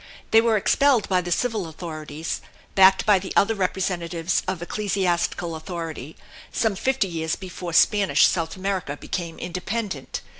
They were expelled by the civil authorities (backed by the other representatives of ecclesiastical authority) some fifty years before Spanish South America became independent.